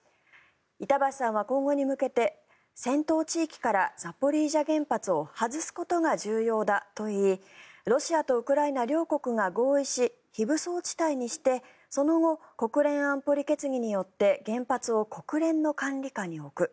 板橋さんは今後に向けて戦闘地域からザポリージャ原発を外すことが重要だといいロシアとウクライナ両国が合意し非武装地帯にしてその後、国連安保理決議によって原発を国連の管理下に置く。